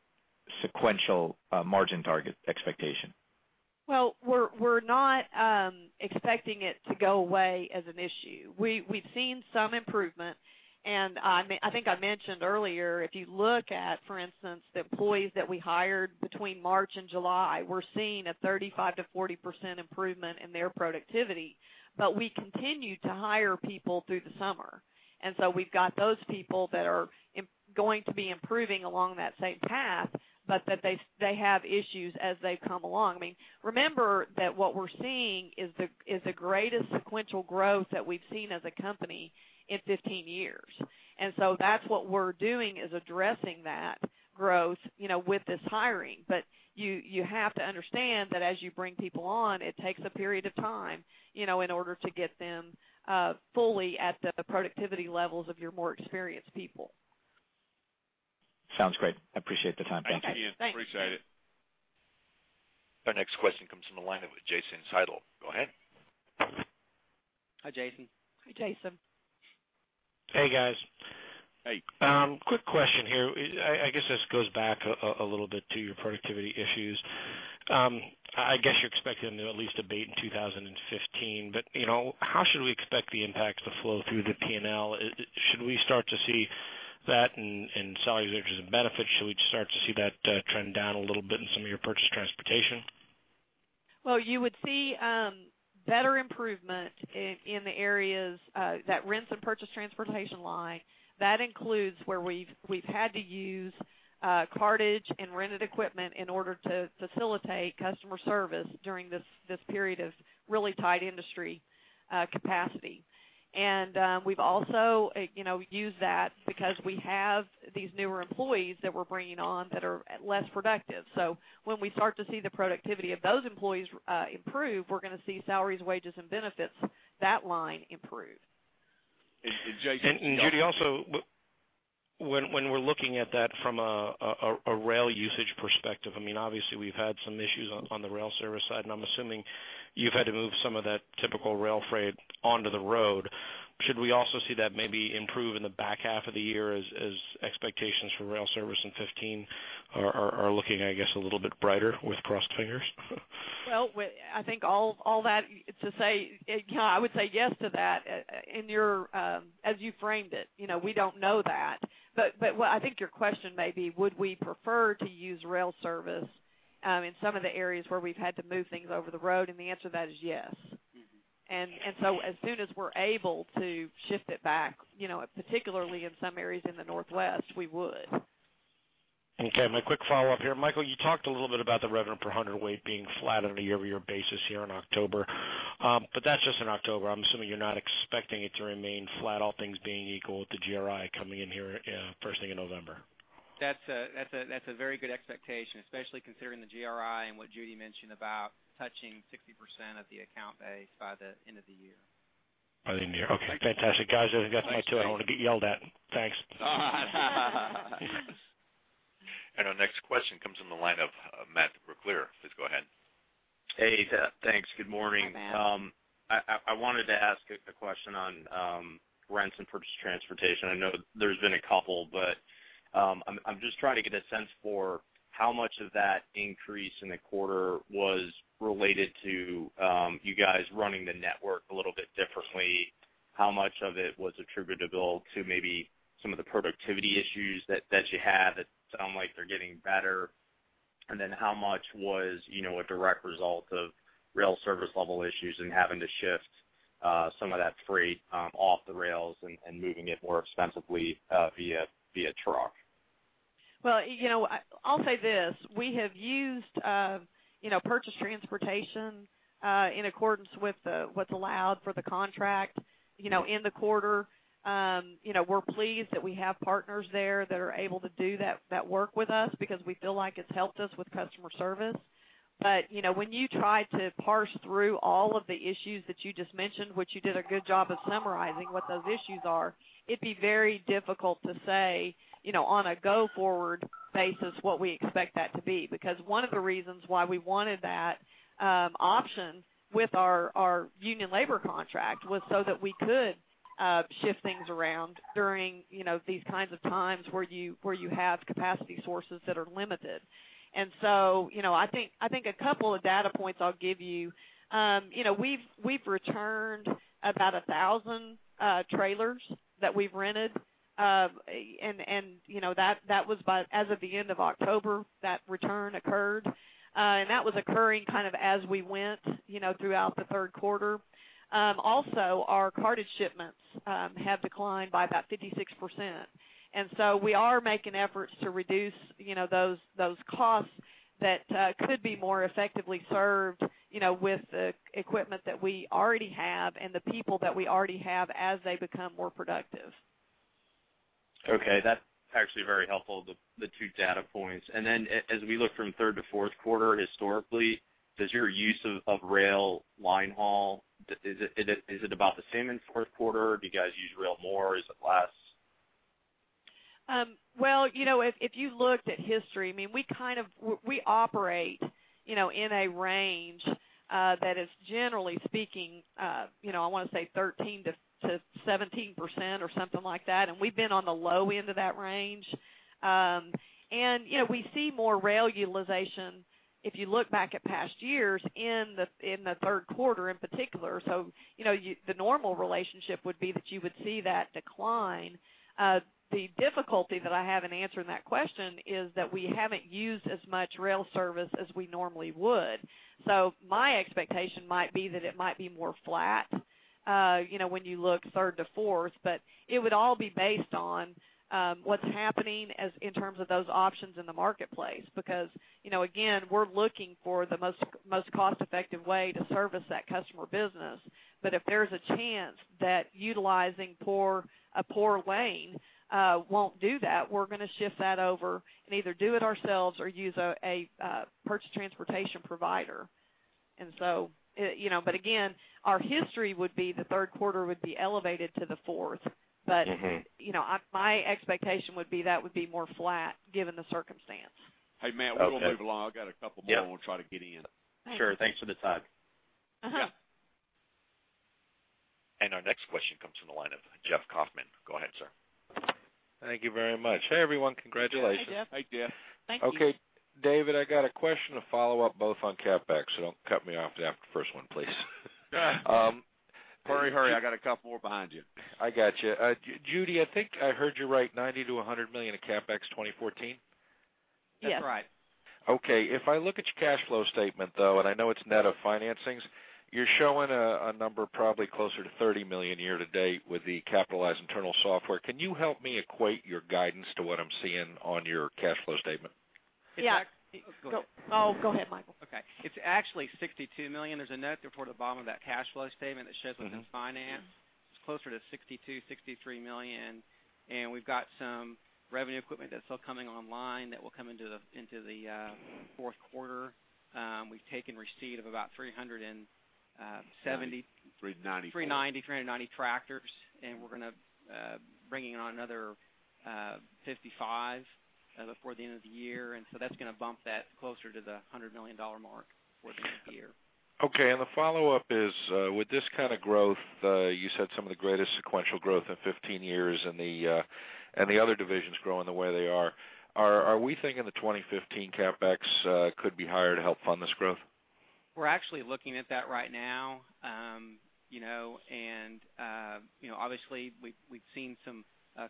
sequential margin target expectation. Well, we're not expecting it to go away as an issue. We've seen some improvement. I think I mentioned earlier, if you look at, for instance, the employees that we hired between March and July, we're seeing a 35%-40% improvement in their productivity. We continue to hire people through the summer. So we've got those people that are going to be improving along that same path, but that they have issues as they've come along. I mean, remember that what we're seeing is the greatest sequential growth that we've seen as a company in 15 years. So that's what we're doing is addressing that growth with this hiring. You have to understand that as you bring people on, it takes a period of time in order to get them fully at the productivity levels of your more experienced people. Sounds great. I appreciate the time. Thank you. Thank you. Appreciate it. Our next question comes in the line of Jason Seidl. Go ahead. Hi, Jason. Hi, Jason. Hey, guys. Hey. Quick question here. I guess this goes back a little bit to your productivity issues. I guess you're expecting them to at least abate in 2015, but how should we expect the impacts to flow through the P&L? Should we start to see that in salaries, wages, and benefits? Should we start to see that trend down a little bit in some of your purchased transportation? Well, you would see better improvement in the areas of rents and purchased transportation line. That includes where we've had to use cartage and rented equipment in order to facilitate customer service during this period of really tight industry capacity. And we've also used that because we have these newer employees that we're bringing on that are less productive. So when we start to see the productivity of those employees improve, we're going to see salaries, wages, and benefits, that line improve. And Jason. And Judy, also, when we're looking at that from a rail usage perspective, I mean, obviously, we've had some issues on the rail service side, and I'm assuming you've had to move some of that typical rail freight onto the road. Should we also see that maybe improve in the back half of the year as expectations for rail service in 2015 are looking, I guess, a little bit brighter with crossed fingers? Well, I think all that to say, yeah, I would say yes to that as you framed it. We don't know that. But I think your question may be, would we prefer to use rail service in some of the areas where we've had to move things over the road? And the answer to that is yes. And so as soon as we're able to shift it back, particularly in some areas in the Northwest, we would. Okay. My quick follow-up here. Michael, you talked a little bit about the revenue per hundredweight being flat on a year-over-year basis here in October, but that's just in October. I'm assuming you're not expecting it to remain flat, all things being equal, with the GRI coming in here first thing in November. That's a very good expectation, especially considering the GRI and what Judy mentioned about touching 60% of the account base by the end of the year. By the end of the year. Okay. Fantastic. Guys, I think that's my cue. I don't want to get yelled at. Thanks. Our next question comes in the line of Matt Brooklier. Please go ahead. Hey, thanks. Good morning. I wanted to ask a question on rents and purchased transportation. I know there's been a couple, but I'm just trying to get a sense for how much of that increase in the quarter was related to you guys running the network a little bit differently, how much of it was attributable to maybe some of the productivity issues that you had that sound like they're getting better, and then how much was a direct result of rail service level issues and having to shift some of that freight off the rails and moving it more expensively via truck? Well, I'll say this. We have used purchased transportation in accordance with what's allowed for the contract in the quarter. We're pleased that we have partners there that are able to do that work with us because we feel like it's helped us with customer service. But when you try to parse through all of the issues that you just mentioned, which you did a good job of summarizing what those issues are, it'd be very difficult to say on a go-forward basis what we expect that to be because one of the reasons why we wanted that option with our union labor contract was so that we could shift things around during these kinds of times where you have capacity sources that are limited. And so I think a couple of data points I'll give you. We've returned about 1,000 trailers that we've rented, and that was by as of the end of October, that return occurred. That was occurring kind of as we went throughout the third quarter. Also, our cartage shipments have declined by about 56%. So we are making efforts to reduce those costs that could be more effectively served with the equipment that we already have and the people that we already have as they become more productive. Okay. That's actually very helpful, the two data points. And then as we look from third to fourth quarter, historically, does your use of rail linehaul is it about the same in fourth quarter? Do you guys use rail more? Is it less? Well, if you looked at history, I mean, we kind of operate in a range that is, generally speaking, I want to say 13%-17% or something like that. And we've been on the low end of that range. And we see more rail utilization, if you look back at past years, in the third quarter in particular. So the normal relationship would be that you would see that decline. The difficulty that I have in answering that question is that we haven't used as much rail service as we normally would. So my expectation might be that it might be more flat when you look third to fourth, but it would all be based on what's happening in terms of those options in the marketplace because, again, we're looking for the most cost-effective way to service that customer business. If there's a chance that utilizing a poor lane won't do that, we're going to shift that over and either do it ourselves or use a purchased transportation provider. And so but again, our history would be the third quarter would be elevated to the fourth. But my expectation would be that would be more flat given the circumstance. Hey, Matt, we'll move along. I've got a couple more I want to try to get in. Sure. Thanks for the time. Our next question comes from the line of Jeff Kauffman. Go ahead, sir. Thank you very much. Hey, everyone. Congratulations. Hey, Jeff. Hey, Jeff. Thank you. Okay. David, I got a question to follow up both on CapEx, so don't cut me off after the first one, please. Hurry, hurry. I got a couple more behind you. I got you. Judy, I think I heard you right, $90 million-$100 million of CapEx 2014? Yes. That's right. Okay. If I look at your cash flow statement, though, and I know it's net of financings, you're showing a number probably closer to $30 million year-to-date with the capitalized internal software. Can you help me equate your guidance to what I'm seeing on your cash flow statement? Yeah. Yeah. Go ahead. Oh, go ahead, Michael. Okay. It's actually $62 million. There's a note there toward the bottom of that cash flow statement that shows what's in finance. It's closer to $62-$63 million. And we've got some revenue equipment that's still coming online that will come into the fourth quarter. We've taken receipt of about 370. 395. 390, 390 tractors. We're going to bring in another 55 before the end of the year. So that's going to bump that closer to the $100 million mark before the end of the year. Okay. And the follow-up is, with this kind of growth, you said some of the greatest sequential growth in 15 years and the other divisions growing the way they are. Are we thinking the 2015 CapEx could be higher to help fund this growth? We're actually looking at that right now. And obviously, we've seen some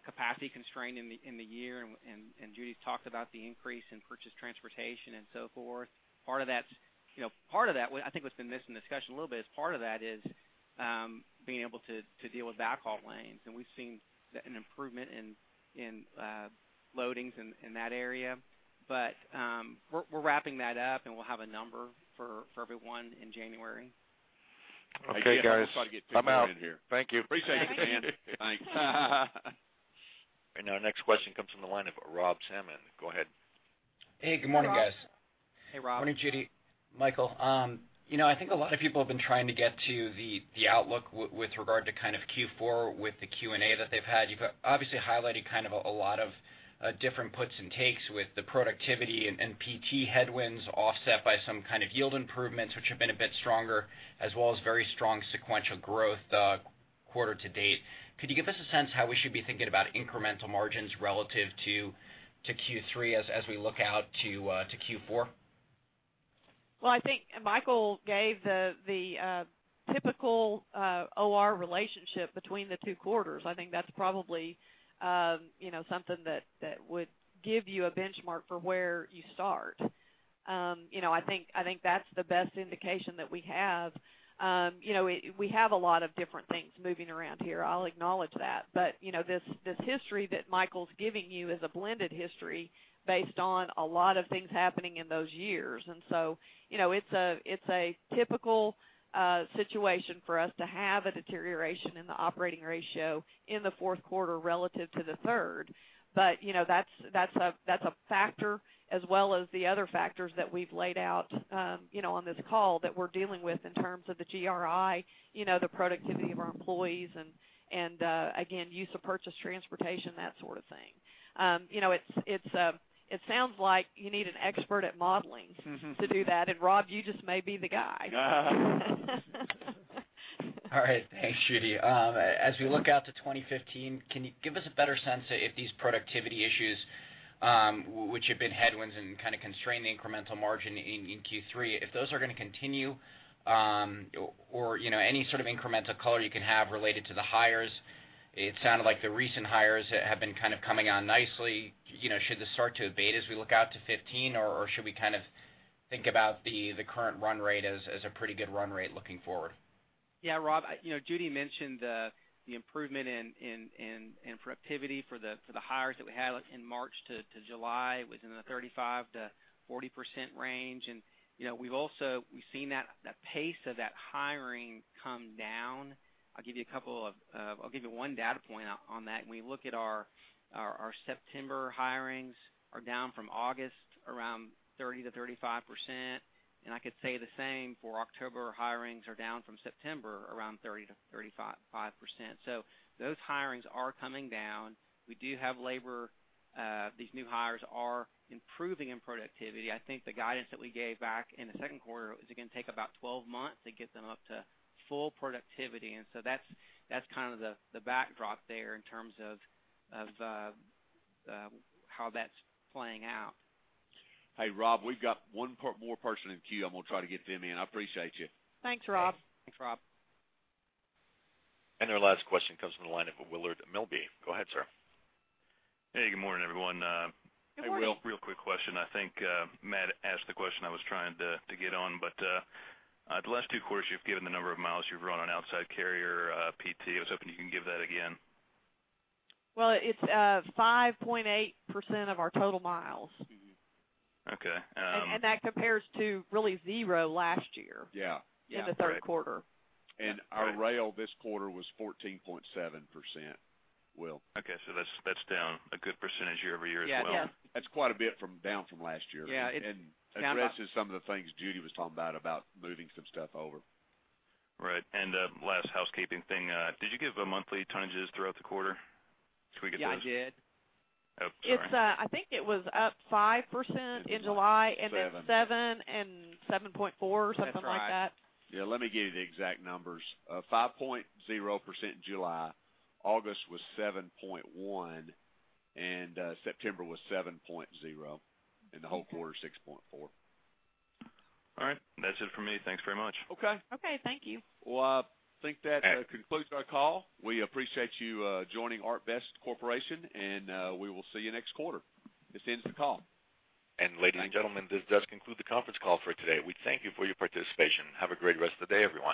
capacity constraint in the year. And Judy's talked about the increase in purchased transportation and so forth. Part of that's part of that, I think, what's been missing in discussion a little bit is part of that is being able to deal with backhaul lanes. And we've seen an improvement in loadings in that area. But we're wrapping that up, and we'll have a number for everyone in January. Okay, guys. Yeah. I'm sorry to get too much in here. Thank you. Appreciate you, Dave. Thanks. Our next question comes from the line of Rob Salmon. Go ahead. Hey. Good morning, guys. Hey, Rob. Morning, Judy. Michael, I think a lot of people have been trying to get to the outlook with regard to kind of Q4 with the Q&A that they've had. You've obviously highlighted kind of a lot of different puts and takes with the productivity and PT headwinds offset by some kind of yield improvements, which have been a bit stronger, as well as very strong sequential growth quarter to date. Could you give us a sense how we should be thinking about incremental margins relative to Q3 as we look out to Q4? Well, I think Michael gave the typical OR relationship between the two quarters. I think that's probably something that would give you a benchmark for where you start. I think that's the best indication that we have. We have a lot of different things moving around here. I'll acknowledge that. But this history that Michael's giving you is a blended history based on a lot of things happening in those years. And so it's a typical situation for us to have a deterioration in the operating ratio in the fourth quarter relative to the third. But that's a factor as well as the other factors that we've laid out on this call that we're dealing with in terms of the GRI, the productivity of our employees, and again, use of purchased transportation, that sort of thing. It sounds like you need an expert at modeling to do that. Rob, you just may be the guy. All right. Thanks, Judy. As we look out to 2015, can you give us a better sense of if these productivity issues, which have been headwinds and kind of constrained the incremental margin in Q3, if those are going to continue or any sort of incremental color you can have related to the hires? It sounded like the recent hires have been kind of coming on nicely. Should this start to abate as we look out to 2015, or should we kind of think about the current run rate as a pretty good run rate looking forward? Yeah, Rob. Judy mentioned the improvement in productivity for the hires that we had in March to July. It was in the 35%-40% range. And we've seen that pace of that hiring come down. I'll give you one data point on that. When we look at our September hirings are down from August around 30%-35%. And I could say the same for October hirings are down from September around 30%-35%. So those hirings are coming down. We do have that these new hires are improving in productivity. I think the guidance that we gave back in the second quarter is it's going to take about 12 months to get them up to full productivity. And so that's kind of the backdrop there in terms of how that's playing out. Hey, Rob. We've got one more person in queue. I'm going to try to get them in. I appreciate you. Thanks, Rob. Thanks, Rob. Our last question comes from the line of Willard Milby. Go ahead, sir. Hey. Good morning, everyone. Good morning. Hey, Will. Real quick question. I think Matt asked the question I was trying to get on, but the last two quarters, you've given the number of miles you've run on outside carrier PT. I was hoping you can give that again. Well, it's 5.8% of our total miles. And that compares to really zero last year in the third quarter. Yeah. Yeah. That's right. And our rail this quarter was 14.7%, Will. Okay. That's down a good percentage year-over-year as well. Yeah. Yeah. That's quite a bit down from last year. That addresses some of the things Judy was talking about about moving some stuff over. Right. And last housekeeping thing, did you give monthly tonnages throughout the quarter? Can we get those? Yeah, I did. Oh, sorry. I think it was up 5% in July and then 7.4 or something like that. That's right. Yeah. Let me give you the exact numbers. 5.0% in July. August was 7.1%. September was 7.0%. The whole quarter, 6.4%. All right. That's it for me. Thanks very much. Okay. Okay. Thank you. Well, I think that concludes our call. We appreciate you joining ArcBest Corporation, and we will see you next quarter. This ends the call. Ladies and gentlemen, this does conclude the conference call for today. We thank you for your participation. Have a great rest of the day, everyone.